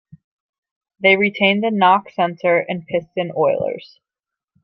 They retained the knock sensor and piston oilers.